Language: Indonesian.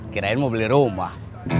kirain mau beli rumah